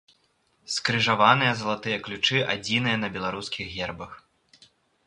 Скрыжаваныя залатыя ключы адзіныя на беларускіх гербах.